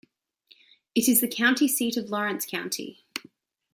It is the county seat of Lawrence County.